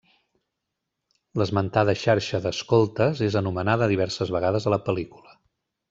L'esmentada xarxa d'escoltes és anomenada diverses vegades a la pel·lícula.